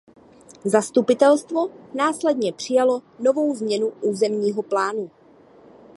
Zastupitelstvo následně přijalo novou změnu územního plánu.